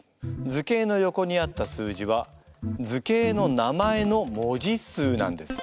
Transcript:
図形の横にあった数字は図形の名前の文字数なんです。